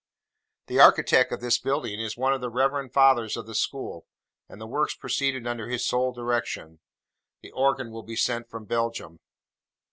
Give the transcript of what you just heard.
The architect of this building, is one of the reverend fathers of the school, and the works proceed under his sole direction. The organ will be sent from Belgium.